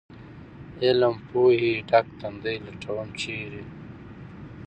علم پوهې ډک تندي لټوم ، چېرې ؟